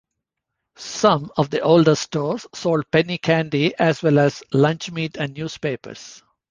Some of the older stores sold penny candy as well as lunchmeat and newspapers.